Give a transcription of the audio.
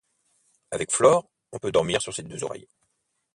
Avec Flore, on peut dormir sur ses deux oreilles.